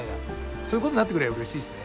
そういうことになってくれればうれしいっすね。